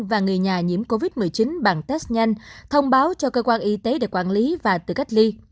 và người nhà nhiễm covid một mươi chín bằng test nhanh thông báo cho cơ quan y tế để quản lý và tự cách ly